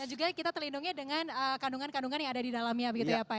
dan juga kita terlindungi dengan kandungan kandungan yang ada di dalamnya begitu ya pak ya